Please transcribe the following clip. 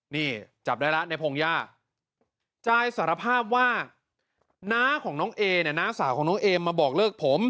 นี่จับได้แล้วในพงหญ้าจายสารภาพว่าน้าของน้องเอเนี่ยน้าสาวของน้องเอมมาบอกเลิกผม